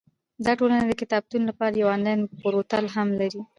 دا ټولنه د کتابتون لپاره یو انلاین پورتل هم لري.